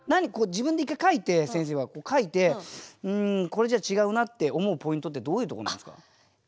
自分で一回書いて先生は書いて「うんこれじゃ違うな」って思うポイントってどういうところなんですか。